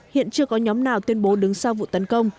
hiện chưa có nhóm nào tuyên bố đứng sau vụ tấn công